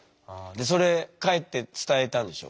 でそれ帰って伝えたんでしょ？